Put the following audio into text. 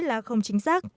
là không chính xác